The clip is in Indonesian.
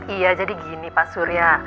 iya jadi gini pak surya